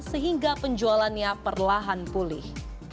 sehingga penjualannya perlahan pulih